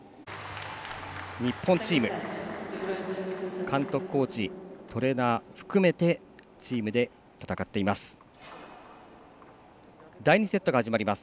日本チーム監督、コーチ、トレーナー含めてチームで戦っています。